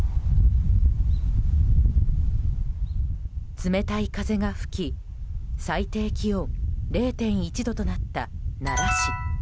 冷たい風が吹き、最低気温０．１度となった奈良市。